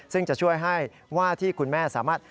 ซึ่งจะช่วยให้ว่าที่คุณแม่สามารถ